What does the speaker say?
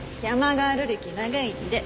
ガール歴長いんで。